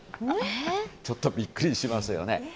ちょっとビックリしますよね。